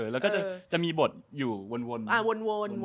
แล้วก็จะมีบทอยู่วน